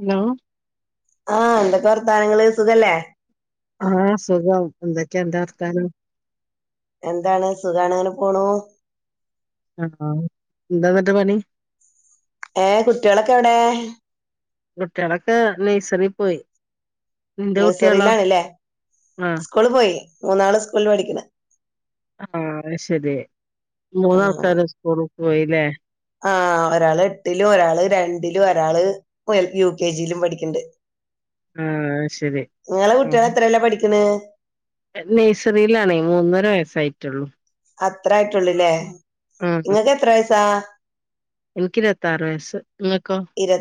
Hello ആ ന്തൊക്കെ വർത്താനങ്ങള് സുഖല്ലേ ആ സുഖം എന്തൊക്കെ അന്റെ വർത്താനം എന്താണ് സുഖാണ് അങ്ങനെ പോണൂ അ ആ എന്തന്നട്ട് പണി ഏഹ് കുട്ട്യേളൊക്കെ എവിടെ കുട്ട്യേളൊക്കെ നെയ്സറി പോയി നിന്റെ കുട്ടികളോ നഴ്സറിലാണ് ലെ ആഹ് സ്കൂള് പോയി മൂന്നാള് സ്കൂളിൽ പഠിക്കണ് ആഹ് അയ്ശരി ആഹ് മൂന്നാൾക്കാര് സ്കൂള് പോയിലെ ആഹ് ഒരാള് എട്ടിലും ഒരാള് രണ്ടിലും ഒരാള് എൽ യു കെ ജിലും പഠിക്ക്ണ്ട് ആഹ് ശരി ങ്ങളെ കുട്ട്യാൾ ത്രെലാ പഠിക്ക്ണെ നയ്സറിലാണേ മൂന്നര വയസ്സായിട്ടുള്ളു അത്രായിട്ടുള്ളൂല്ലേ ആഹ് ങ്ങക്ക് എത്ര വയസാ താർ വയസ്സ് നിങ്ങക്കോ ഇരുവ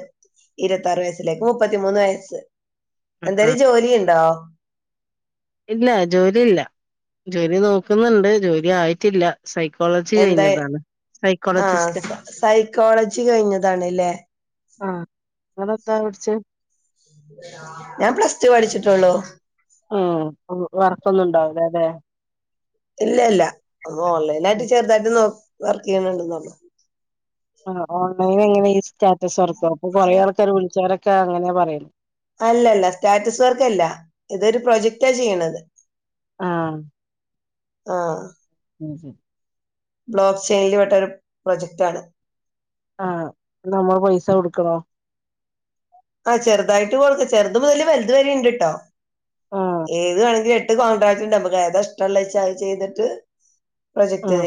ഇരുവത്താർ വയസ് ലേ ക്ക് മുപ്പത്തിമൂന്ന് വയസ്സ് ആഹ് എന്തേലും ജോലി ഇണ്ടോ ഇല്ല ജോലി ഇല്ല ജോലി നോക്ക്ന്ന്ണ്ട് ജോലി ആയിറ്റില്ല സൈക്കോളജി എന്താ കഴിഞ്ഞതാണ് ആഹ് സൈക്കോളജിസ്റ്റ് സൈക്കോളജി കഴിഞ്ഞതാണ് ലേ ങ്ങളെന്താ പഠിച്ചേ ഞാൻ പ്ലസ് ടു പഠിച്ചിട്ടുള്ളു മ് വർക്കൊന്നും ഉണ്ടാവൂല്ല ല്ലേ ഇല്ല ഇല്ല ഉം ഹോൺലൈനായിട്ട് ചെർതായിട്ട് നോ വർക്ക് ചെയ്യണ് ണ്ട്ന്നെള്ളു ആഹ് ഓൺലൈൻ എങ്ങനെ ഈ സ്റ്റാറ്റസ് വർക്കോ ഇപ്പൊ കൊറേ ആൾക്കാർ വിളിച്ചോരൊക്കെ അങ്ങനെയ പറയ് അല്ലല്ല സ്റ്റാറ്റസ് വർക്കല്ല ഇതൊരു പ്രൊജക്റ്റാ ചെയ്യണത് ആഹ് ആഹ് [inaudible] ബ്ലോക്ക് ചെയിനില് പെട്ടൊരു പ്രൊജക്റ്റാണ് ആഹ് നമ്മൾ പൈസ കൊടുക്കണോ ആഹ് ചെർതായിട്ട് കൊടുക്ക ചെർത് മുതല് വൽത് വരെ ഇണ്ട് ട്ടോ ആഹ് ഏത് വേണങ്കിലും എട്ട് കോൺട്രാക്ട് ഇണ്ട് മ്മക്ക് ഏതാ ഇഷ്ടള്ളച്ചാ അത് ചെയ്ത്ട്ട് ആഹ്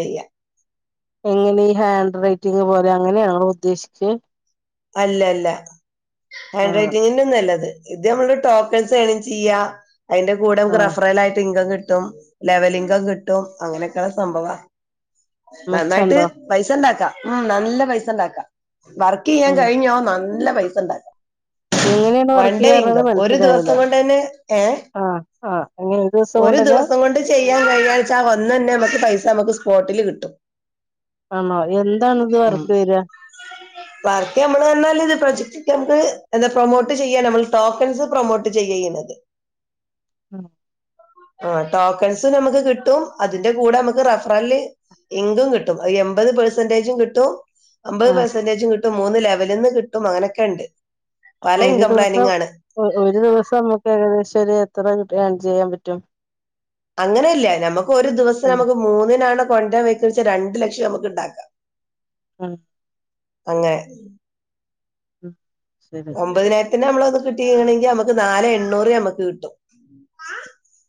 എങ്ങനെ ഹാൻഡ്റൈറ്റിംഗ് പോലെ ങ്ങനെയാണോ ഉദ്ദേശിച്ചെ അല്ലല്ല ആഹ് ഹാൻഡ്റൈറ്റിങ്ങിന്റൊന്നല്ലത് ഇത് അമ്മള് ടോക്കൺസ് ഏണിങ് ചെയ്യ അയ്ന്റെ കൂടെ മ്മക്ക് ആഹ് റഫറൽ ആയിട്ട് ഇൻകം കിട്ടും ലെവലിംഗ കിട്ടും അങ്ങനൊക്കെയള്ള സംഭവ നന്നായിട്ട് മെച്ചണ്ടോ പൈസ ഇണ്ടാക്കാം ഉം നല്ല പൈസ ഇണ്ടാക്കാം വർക്ക് ചെയ്യാൻ ഉം കഴിഞ്ഞോ നല്ല പൈസ ഉണ്ടാക്കാം എങ്ങനെയാണ് വൺ വർക്ക് ഡേ ചെയ്യാറുള്ളത് ഇൻകം ഒരു മനസ്സിലായില്ല ദിവസം കൊണ്ട് തന്നെ ഏഹ ആഹ് ആഹ് എങ്ങനെ ദിവസം ഒരു കൊണ്ടന്നെ ദിവസം കൊണ്ട് ചെയ്യാൻ കഴിഞ്ഞാഴ്ചാ ഒന്നന്നെ നമുക്ക് പൈസ നമുക്ക് സ്പോട്ടില് കിട്ടും ആണോ എന്താണ ഇത് ഉം വർക്ക് വരിക വർക്ക് നമ്മള് വന്നാൽ ഇത് പ്രൊജക്ട് ഒ നമുക്ക് എന്താ പ്രൊമോട്ട് ചെയ്യാം നമ്മൾ ടോക്കൺസ് പ്രൊമോട്ട് ചെയ്യാം ചെയ്യുന്നത് ആഹ ആ ടോക്കൺസ് നമുക്ക് കിട്ടും അതിന്റെ കൂടെ നമുക്ക് റഫറല് എങ്കും കിട്ടും എൺപത് പെർസെന്റേജും കിട്ടും അമ്പത് ആഹ് പെർസെന്റേജും കിട്ടും മൂന്ന് ലെവലിൽ നിന്ന് കിട്ടും അങ്ങനെയൊക്കെ ഉണ്ട് പല അപ്പൊ ഒരു ഇൻകം ദിവസം പ്ലാനിങ് ആണ് ഒരു ദിവസം നമുക്ക് ഏകദേശം ഇത്രിട്ട ചെയ്യാൻ പറ്റും അങ്ങനെല്ല നമുക്ക് ഒരു ദിവസം ആഹ് നമുക്ക് മൂന്നിനാണ് കൊണ്ട വ രണ്ട് ലക്ഷം നമുക്ക് ഉണ്ടാക്കാം ഉം അങ്ങനെ ഉഹ ഒമ്പതിനായിരത്തിന് നമ്മളൊന്ന് കിട്ടിണെങ്കിൽ നമ്മുക്ക് നല് എണ്ണൂറ് നമ്മുക്ക് കിട്ടും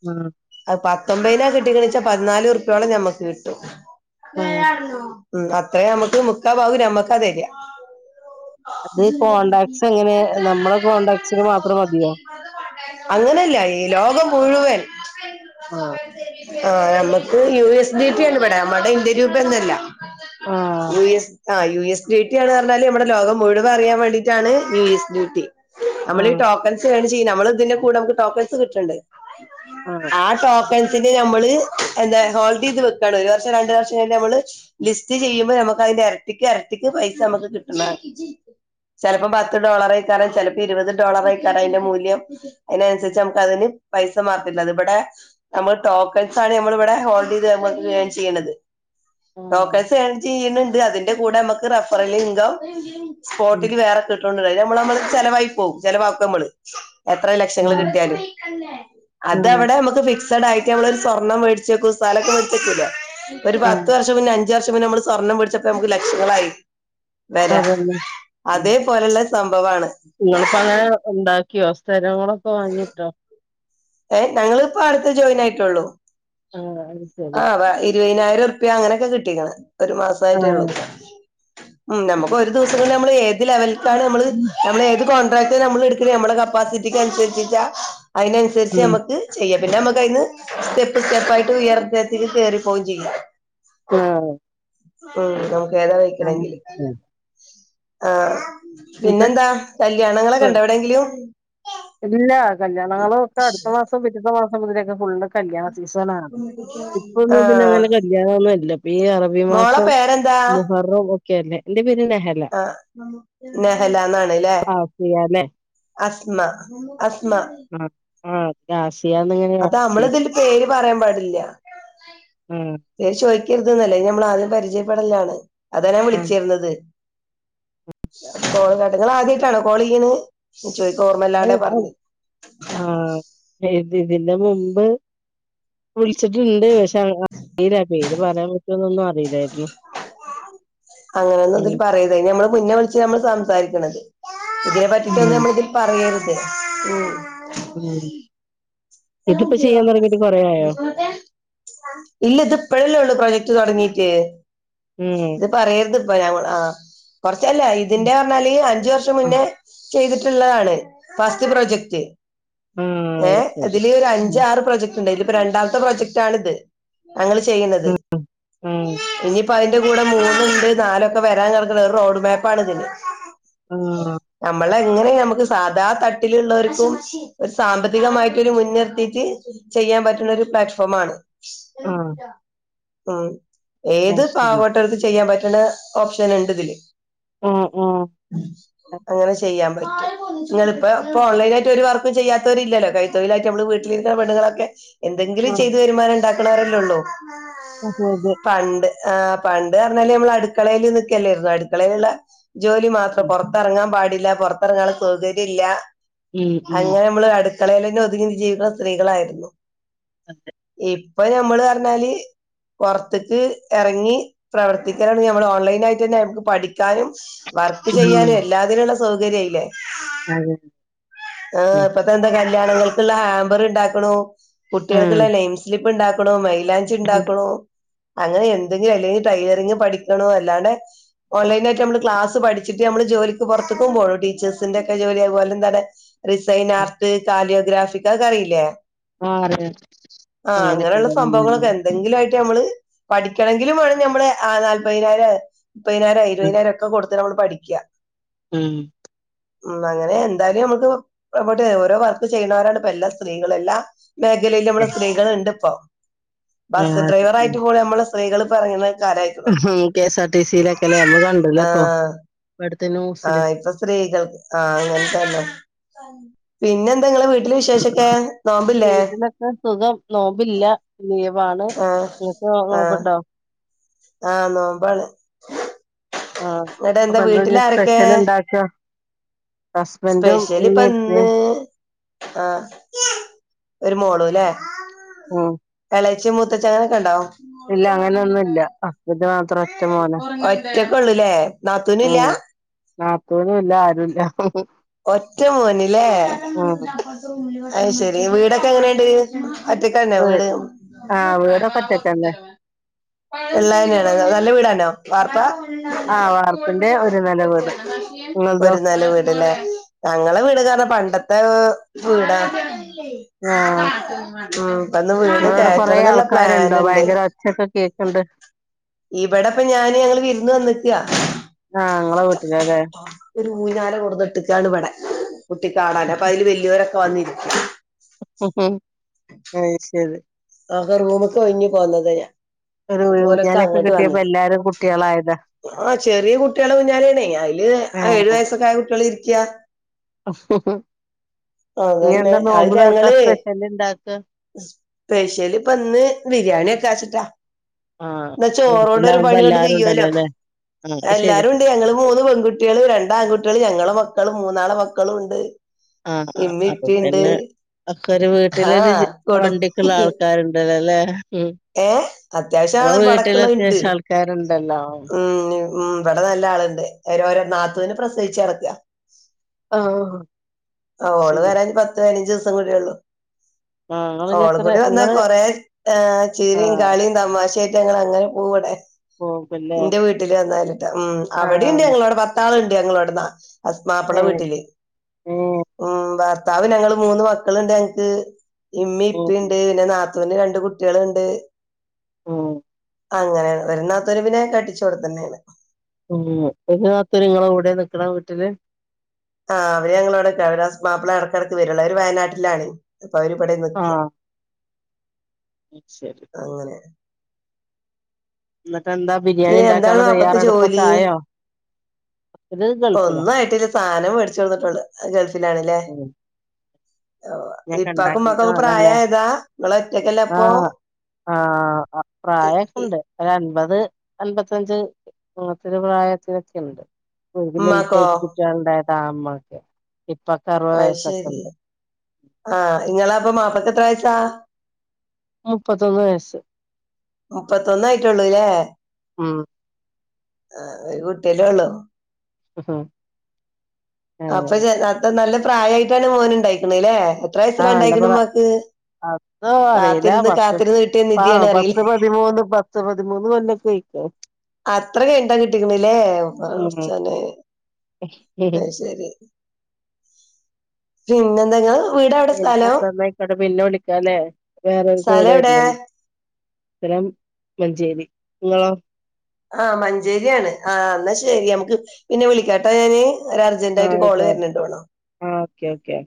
ഉം പത്തൊമ്പതിനാ കിട്ട കണിച്ചാ പതിനാലല്റുപോളം ഞമ്മക്ക് കിട്ടും ആഹ് ഉ അത്രേ നമുക്ക് മുക്കാ പാവു നമ്മക്ക് തരിക അത് കോണ്ടാക്ട്സ് എങ്ങനെ നമ്മള കോടാക്ട്സിന് മാത്രം മതിയോ അങ്ങനല്ല ഈ ലോകം മുഴുവൻ ആഹ ആ ഞമ്മുക്ക് യു എസ് ഡിപ ആണ് ഇവിടെ നമ്മുടെ ഇന്ത്യ രവൂപ ഒന്നല്ല ആഹ് യഎസ് ആ യു എസ് ഡ്യൂട്ടി ആന്ന് പറഞ്ഞാല് ഇമ്മടെ ലോകം മുഴുവൻ അറിയൻ വേണ്ടിട്ടാണ് യു എസ് ഡ്യൂട്ടി നമ്മൾഈ ആഹ് ടോക്കൻസ് വേണം ചെയ്യ നമ്മള് ഇതിന്റെ കൂടെ നമുക്ക് ടോക്കൻസ് കിട്ടണ്ട് ആഹ് ആ ടോക്കൻസ് നമ്മൾ എന്താ ഹോൾഡ് ചെയ്ത് വെക്കാണ് ഒരു വർഷം രണ്ട വർഷം നമ്മൾ ലിസ്റ്റ് ചെയ്യ്പോ നമു ര അരട്ടിക്ക് എരട്ടിക്ക് പൈസ നമുക്ക് കിട്ടുന്ന ചിലപ്പോ പത്ത് ഡോളർ ആയിക്കാറൻ ചിലപ്പോ ഇരുപത് ഡോളർ ആയിക്കാറ അതിന്റെ മൂല്യം അതിനനുസരിച്ച് നമുക്ക് അതിന് പൈസ മാത്രല്ല അത് ഇവിടെ നമ്മൾ ടോക്കൺസ ആണ് നമ്മൾ ഇവിടെ ഹോൾഡ് ചെയ്ത് ന ചെയ്യണത് ആഹ് ഡോക്കേഴ്സ് എൻ ചെയ്യുന്നുണ്ട് അതിന്റെ കൂടെ നമ്മുക്ക് റഫറൽ ഇകം ഉം സ്പോട്ടിൽ വേറെ കിട്ടണ്ടിണ്ട നമ്മള് നമ്മള് ചിലവായി പോകും ചിലവാക്കും നമ്മള് എത്ര ലക്ഷങ്ങൾ ആഹ് കിട്ടിയാലും ആഹ് അത്വിടെ നമുക്ക് ഫിക്സ് ട്ട് ഒരു സ്വർണം മേടിച്ചക്കും സ്ഥലൊെ മേടിച്ചക്ക ഒരു ഉം പത്ത് വർഷം അഞ് അഞ്ചു വർഷംമുന്നേ നമ്മൾ സ്വർണം പിടിച്ചപ്പോ നമുക്ക് ലക്ഷങ്ങളായി വരാ അതന്നെ ഉം അതേപോലുള്ള സംഭവമാണ് നിങ്ങളിപ്പോ അങ്ങനെ ഉണ്ടാക്കിയോ സ്ഥലങ്ങളൊക്കെ വാങ്ങിട്ടോ ഏ ഞങ്ങിപ്പോ അടുത്ത് ജോയിൻ ആയിട്ടുള്ളൂ ആഹ് അത് ആ ശരി വ ഇരുപതിനായിരം ുപ്യ അങ്ങനെയൊക്കെ കിട്ടിക്കണ ഒരു ആഹ് മാസയിട്ടേള്ളൂ ഉ നമുക്ക് ഒരു ദിവസം നമ്മൾ ഏത് ലെവലിലാണ് നമ്മള് നമ്മ ഏത് കൊ നമ്മൾ എടുക്ക നമ്മടെ കപ്പാസിറ്റിക്ക്നുസരിച്ചാ അതിനനുസരിച്ച് ഉം നമുക്ക് ചെയ്യണം പിന്നെ നമുക്കതിന്ന് സ്റ്റെപ്പ് സ്റ്റെപ്പായിട്ട് ഉയർന്നേക്ക് കയറി പോകയും ചെയ്യാം ആഹ ഉം നമുക്ക് ഏതാ വഴിക്കണമെങ്കിൽ ആ എന്നിട്ട് പിന്നെന്താ കല്യാണങ്ങളൊക്കെ ഉണ്ടോ എവിടെങ്കിലും കല്യാണങ്ങളും ഒക്ക അടുത്തമാസം പിറ്റത്ത മാസം ങ്ങളിലൊക്കെ ഫുള്ണ്ട് കല്യാണ സീസൺ ആ ഇപ്പൊന്നും പിന്നെ ആഹ് അങ്ങനെ കല്യാണ ഒന്നും ഇല്ല ഈ അറബി മോളെ മാസം പേരെന്താ മുഹറം ഒക്കെ അല്ലേ എന്റെ പേര് നെഹല ആ നെഹലന്നണല്ലേ ആസിയ അല്ലേ അസ്മ അസ്മ ആ ആ അ അത നമ്മള ഇതില് പേര് പറയാൻ പാടില്ല ആ പേര് ചോദിക്കരുത് ന്നല്ലേ ഞമ്മൾ ആദ്യം പരിചയപ്പെടലാണ് അതാനാ ആ വിളിച്ചിരുന്നത് കോളിങ്ങാട്ടങ്ങ ആദ്യട്ടാണോ കോളീന് ചോദിക്ക ഓർമ്മല്ലാടെ അത് പറഞ്ഞു ആ ഇത് ഇതിന്റെ മുമ്പ് വിളിച്ചിട്ടുണ്ട് പക്ഷെ [unintelligible] ഇത് പറയാൻ പറ്റുവന്നൊന്നും അറിയില്ലായിരുന്നു അങ്ങനെയൊന്നും ഉം. അതില് പറയര്ത് അതിന നമ്മള് മുന്നെ വിളിച്ച് നമ്മള് സംസാരിക്കണത് ഇതിനെ പറ്റിട്ട ഒന്നും ഉം. നമ്മൾ ഇതിൽ പറയരുത് ഉ ഉം ഇതിപ്പോ ചെയ്യാൻ തുടങ്ങിയിട്ട് കൊറേ ആയോ ഇല്ല ഇത് ഇപ്പഴല്ലേ യുള്ളൂ പ്രോജക്ട് തുടങ്ങി ഉം. ഇത് പറയരുത് ഇപ്പ ഞങ്ങ ആ കുറച്ചല്ല ഉം. ഇതിന്റെ പറഞ്ഞാല് അഞ്ച് വർഷം ആ മുന്നേ ചെയ്തിട്ടുള്ളതാണ് ഫാസ്റ്റ് പ്രോജക്ട് ആ, ഏ അത് ശരി ഇതില് ഒരു അഞ്ച് ഉം. ആറ് പ്രൊജക്ട് ഇണ്ടയ്ല് ഇപ്പോ രണ്ടാമത്തെ പ്രോജക്ട് ആണ് ഇത്. ഞങ്ങള് ഉം ഏഹ് ഇപ്പൊ അയ്ന്റെ കൂടെ മൂന്നുണ്ട് നാലൊക്കെ വരാൻ കടക്ക്ണ്. ഒറു റോഡ് മാപ്പാണ് ഇതിന്. നമ്മളെങ്ങനിം ഞമ്മക്ക് സാദാ തട്ടില്ള്ളോര്ക്കും ഒരു സാമ്പത്തികമായി ട്ടൊര് മുൻനിർത്തീട്ട് ചെയ്യാൻ പറ്റ്ണ ഒരു പ്ലാറ്റ്ഫോമാണ്. ആ ആ ഉം ആ, ഏത് ശരി പാവപ്പെട്ടോ ൽക്കും ചെയ്യാൻ പറ്റ്ണ ഓപ്ഷൻ ഇണ്ട് ഇതില്. ആ ആ ആ അങ്ങനെ ചെയ്യാൻ പ റ്റും ഇങ്ങള്പ്പ ഇപ്പൊ ഓൺലൈൻ ആയിട്ട് ഒരു വർക്കും ചെയ്യാത്തോരില്ല്യ ലോ കൈ തൊയ്ലായിട്ട് നമ്മള് വീട്ടിലിരിക്ക്ണ പെണ്ണ്ങ്ങളൊക്കെ എന്തെങ്കിലും ചെയ്ത് വരുമാനണ്ടാക്ക്ണോല്ലൊള്ളൂ. ഉണ്ടാക്കണവരല്ലേള്ളൂ അതെ അതെ പണ്ട് ആഹ് പണ്ട് അർഞ്ഞാല് നമ്മള് അടുക്കളേല് നിക്കല്ലേര്ന്നു അടുക്കളേല്ള്ള ജോലി മാത്രം പൊറത്തെറങ്ങാൻ പാടില്ല പൊറത്തെറങ്ങാള്ള സൗകര്യം ഇല്ല്യാ ഉം ഉം ഉം. അങ്ങനെമ്മള് അടുക്കളേലെന്നെ ഒതുങ്ങി ന്ന് ജീവിക്ക്ണ സ്ത്രീകളായിരുന്നു. ഇപ്പൊ ഞമ്മള് പറഞ്ഞാല് പൊറത്ത്ക്ക് എറങ്ങി പ്രവർത്തിക്കലൊടങ്ങി നമ്മൾ ഓൺലൈൻ ആയിട്ടന്നെ നമക്ക് പഠിക്കാനും വർക്ക് ചെയ്യാനും എല്ലാതിനുള്ള സൗകര്യ ആയിലേ ആ, അതെ ആഹ് ഇപ്പത്തെന്താ കല്യാണങ്ങൾക്ക്ള്ള ഹാമ്പർ ഇണ്ടാക്ക്ണൂ ഉം കുട്ടികൾക്ക്ള്ള നെയിം സ്ലിപ്പ് ഇണ്ടാക്ക്ണൂ മൈലാഞ്ചി ഇണ്ടാക്ക്ണൂ അങ്ങനെ എന്തെങ്കിലും അല്ലെങ്കി ടൈലറിങ് പഠിക്ക്ണൂ അല്ലാണ്ടെ ഓൺലൈനായിട്ട് നമ്മള് ക്ലാസ് ത്ത് പഠിച്ചിട്ട് നമ്മള് ജോലിക്ക് പൊറത്ത്ക്കും പോണു ടീച്ചേഴ്സിന്റെക്കെ ജോലി അതു പോലെന്താണെ റിസൈൻ ആർട്ട് കാലിയോഗ്രാഫിക്ക് അഹ് ഒക്കെ അറിയില്ലേ ആഹ് അറിയാം ആഹ് അങ്ങനെള്ള അങ്ങനൊക്കെണ്ടല്ലേ സംഭവങ്ങളൊക്കെ എന്തെങ്കിലു ആയി ട്ട് അമ്മള് പഠിക്കണെങ്കിലും മാണം ഞമ്മള് ആഹ് നാല്പയിനായിരൊ, മുപ്പതിനായിരൊ, ഉം ഇരുപതിനായിരൊക്ക കൊട് ത്ത് ഞമ്മള് പഠിക്ക്യാ ഉം ഉം അങ്ങനെ എന്തായാലും ഞമ്മക്ക്പ്പൊ എവടെ ഓരോ വർക്ക് ചെയ്യ്ണോരാണ് ഇപ്പ എല്ലാ സ്ത്രീകള് എല്ലാ മേഖലേലും അമ്മളെ സ്ത്രീകള് ഇണ്ട്പ്പൊ ആഹ് ബസ്സ് അതന്നെ ഡ്രൈവറായിട്ട് പോലും അമ്മള് സ്ത്രീകള്പ്പ എറങ്ങ്ണ് ഉം ഹ് K S R T C യിലൊക്കെല്ലേ നമ്മള് കണ്ട്ല്ലേ ഇപ്പൊ ആഹ് ആഹ് ഇപ്പ സ്ത്രീകൾക്ക് ആഹ് അങ്ങൻതന്നെ പിന്നെന്താ ഇങ്ങളെ വീ വീട്ട്ലൊക്കെ സുഖം നോമ്പില്ലാ. ലീ വാണ് ആഹ് നിനക്ക് നോ ആഹ് നോമ്പ്ണ്ടോ ആഹ് നോമ്പാണ് ആഹ് ഇങ്ങട്ട് എന്താ അപ്പൊ എന്താഞ്ഞ് വീട്ടിലാരൊക്കെ സ്പെഷ്യല് ഇണ്ടാക്കാ ഹസ്ബൻഡും ഉമ്മീം സ്പെഷ്യലിപ്പന്ന് ഇപ്പീം ആഹ് ഒരു മോളൂല്ലേ ഉം ച്ചിയും മുത്തച്ചനൊക്കണ്ടോ ഇല്ലാ അങ്ങനെയൊന്നൂല്ലാ ഹസ്ബൻഡ് മാത്രം ഒറ്റ മോനാ ഒറ്റക്കോള്ളുല്ലേ നാത്തൂന്ല്ലാ ഉം നാത്തൂനും ഇല്ലാ ആരൂല്ലാ ഒറ്റ മോന്ല്ലേ ഉം അയ് ശരി വീടൊക്കെ എങ്ങനേണ്ട് ഒറ്റക്കന്നെ വീട് ആഹ് വീടൊക്കെ ഒറ്റക്കന്നെ ഇള്ളേനാണോ നല്ല വീടാണോ വാർപ്പാ ആഹ് വാർപ്പിന്റെ ഒരു നെല വീട് ഇങ്ങൾതോ ഒരു നെല വീട്ല്ലേ ഞങ്ങളെ വീടൊക്കർഞാ പണ്ടത്തെ വീടാ ആ ഉം. ഇപ്പന്ന് വീട് നിങ്ങളവിടെ കൊറേ കയറ്റണംന്നുള്ള ആൾക്കാരുണ്ടോ പ്ലാന് ണ്ട്. ഭയങ്കര ഒച്ചയൊക്കെ കേക്കണ്ട് ഇവിടപ്പ ഞാന് ഞങ്ങള് വിര്ന്ന് വന്നക്കാ. ആ നിങ്ങളെ വീട്ടിലല്ലേ ഒരു ഊഞ്ഞാല കൊട്ന്നിട്ടക്കാണ് വടെ. കുട്ടിക്ക് ആടാൻ അപ്പൊ അയ്ല് വല്യോരൊക്കെ വന്നിരിക്ക്യാ. അത് ശരി. ആ ഹ റൂമ്ക്ക് ഒഴിഞ്ഞി പോന്നത ഞാ ഒരു ഊ ഊഞ്ഞാലൊക്കെ കിട്ടിയപ്പോ എല്ലാരും കുട്ടികളായത ആ ചെറിയ കുട്ടാളെ ഊഞ്ഞാലാണേ അയില് ആ. ഏഴു വയസൊക്ക ആയ കുട്ട്യാള് ഇരിക്ക്യാ ഇനി അതന്നെ എന്താ അത് നോമ്പതൊർക്കാ ഞങ്ങള് സ്പെഷല് ഇണ്ടാക്കാ സ്പെഷല് ഇപ്പന്ന് ബിരിയാണിക്കാച്ചിട്ടാ ആ ന്നാ ചോറോണ്ടൊരു വീട്ടിലാവുമ്പോ പണിയോണ്ട് എല്ലാരും കയ്യോലോ ഉണ്ടല്ലോ അല്ലേ ആ അത് ശരി എല്ലാരും ഉണ്ട് ഞങ്ങള് മൂന്ന് പെൺകുട്ടികള് രണ്ടാൺകുട്ടികള് ഞങ്ങള മക്കളും മൂന്നാളെ മക്കളും ഉണ്ട് അ ആ ഇമ്മി അപ്പൊ ഇപ്പിണ്ട് പിന്നെ ഒക്കൊരു വീട്ടിലൊരു ആഹ് ജ് കൊടും വണ്ടി ക്ക്ള്ള ആൾക്കാര്ണ്ടല്ലോ ല്ലെ ഏ അത്യാവശ്യ ആളെ വീട്ടിൽ [unintelligible] ഇണ്ട് അത്യാവശ്യം ആൾക്കാരുണ്ടല്ലോ ഉം ഉം ഇവിടെ നല്ല ആളുണ്ട് എര ഒര നാത്തൂന് പ്രസവിച്ച് കിടക്കാ ആ ഓള് ശരി വരാൻ പത്ത് പതിനഞ്ചിവസം കൂടിയൊള്ളൂ ആ നിങ്ങളിനി ഓള് എത്ര കൂടി വന്നാ നിങ്ങള് കൊറേ ഏ ആ ചിരീം കളീം തമാശേ ആയിട്ട് അങ്ങനെ പോവൂടെ പോകുമല്ലേ ന്റെ വീട്ടില് വന്നാലിട്ട് ഉം ആ അവിടെണ്ട് ഞങ്ങളോട് പത്താളുണ്ട് ഞങ്ങളോട് ന അസ്മാപ്പിള ഉം വീട്ടില് ഉം ഭർത്താവ് ഞങ്ങള് മൂന്ന് മക്കളിണ്ട് ഞങ്ങക്ക് ഇമ്മി ഉം ഇപ്പിണ്ട് പിന്നെ നാത്തൂന് രണ്ട് കുട്ടികളുണ്ട് ഉം അങ്ങനെയാ ഒരു നാത്തൂൻ പിന്നെ കെട്ടിച്ചോടെത്തന്നെയാണ് ഉം ഒരു നാത്തൂൻ നിങ്ങളെ കൂടെ നിക്കണ വീട്ടില് ആഹ് അവര് ഞങ്ങളോടക്ക അവര ഹസ് മാപ്പള ഇടക്കിടക്ക് വരുള്ളൂ അവര് വയനാട്ടിലാണ് അപ്പൊ അവര് ഇബടെ നിക്കാ ആഹ് ശരി എന്നിട്ട് എന്താ ബിരിയാണി പിന്നെ എന്താണ് ഇണ്ടാക്കാനുള്ള മാപ്പിളക്ക് തയ്യാറെടുപ്പൊക്കെ ജോലി ആയോ ഇത് ഗൾഫിലാ ഒന്നും ആയിട്ടില്ല സാധനം മേടിച്ചൊട്ന്നുട്ടുള്ളു ഗൾഫിലാണ്ല്ലേ ഉം ഓ ഇനിയൊക്കെ ഇപ്പാക്കും ഉണ്ടാക്കിട്ട് ഇമ്മാക്കൊക്കെ വേണല്ലേ പ്രായായതാ നിങ്ങള് ഒറ്റക്കല്ലാ അപ്പൊ ആ ഇ പ്രായൊക്കെ ഇ ഇണ്ട് ഒരു അൻപത് അത് അൻപത്തഞ്ച് [unintelligible] പ്രായത്തിനൊക്കെ ഇണ്ട് [unintelligible] ലേറ്റ് ഉമ്മാക്കോ ആയിട്ട് കുട്ടികളുണ്ടായതാ ആ മ്മാക്ക് ഇപ്പാക്ക് അറുപത് അത് വയസ്സൊക്കെ ശരി ഇണ്ട് ആഹ് ഇങ്ങള അപ്പൊ മാപ്പള്ക്ക് എത്ര വയസാ മുപ്പതൊന്ന് വയസ് മുപ്പത്തൊന്നായിട്ടുള്ളൂല്ലേ ഉം ആ ഒരു കുട്ട്യല്ലേ ഉള്ളൂ ഉം. അപ്പൊ അങ്ങനെ ചെൽ അത നല്ല പ്രായായിട്ടാണ് മോൻ ഉണ്ടായിക്ക്ണ്ല്ലേ എത്ര വയസ്സില ആഹ് നല്ല ഉണ്ടായിക്ക്ണു പ്രാ മ്മാക്ക് അതോ അറിയില്ല കാത്തിരുന്ന് പത്ത് കാത്തിരുന്ന് കിട്ടിയ ആഹ് നിധിയാണ് അറിയി പത്ത് പതിമൂന്ന് പത്ത് പതിമൂന്ന് കൊല്ലൊക്കെ അയ്ക്കണ് അത്ര കഴിന്ട്ടാ കിട്ടിക്കണ്ല്ലേ പടച്ചോനെ ത ശരി പിന്നെന്തങ്ങൾ പിന്നെ എന്താന്ന ഐക്കോട്ടെ പിന്നെ വിളിക്കാനേ വേറരുകോൾ സ്ഥലം എവിടെ വര്ണ് സ്ഥലം മഞ്ചേരി ഇങ്ങളോ ആ മഞ്ചേരിയാണ് ആ എന്ന ശരി നമുക്ക് പിന്നെ വിളിക്കാട്ടാ ഞാന് ഒര് അർജന്റ് ആഹ് ആയിട്ട് കോള് വര്ണ് ആയിക്കോട്ടെ ണ്ടോണു ആഹ് ഓക്കെ ഓക്കെ